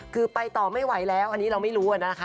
คือไปต่อไม่ไหวแล้วอันนี้เราไม่รู้นะคะ